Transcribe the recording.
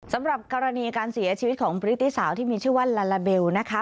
สำหรับกรณีการเสียชีวิตของพฤติสาวที่มีชื่อว่าลาลาเบลนะคะ